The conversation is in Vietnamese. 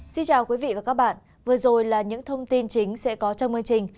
xin chào quý vị và các bạn vừa rồi là những thông tin chính sẽ có trong chương trình